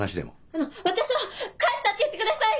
あの私は帰ったって言ってください！